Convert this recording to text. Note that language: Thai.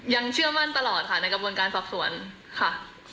เชื่อมั่นตลอดค่ะในกระบวนการสอบสวนค่ะ